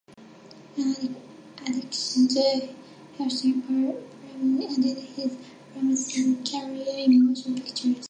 An addiction to heroin prematurely ended his promising career in motion pictures.